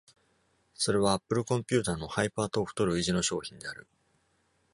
それは Apple コンピューターの HyperTalk と類似の商品である。